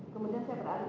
kemudian saya berani